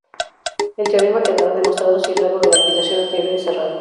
El teorema quedará demostrado si el rango de la aplicación anterior es cerrado.